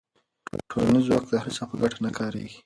ټولنیز ځواک د هر چا په ګټه نه کارېږي.